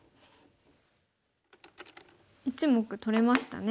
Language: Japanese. １目取れましたね。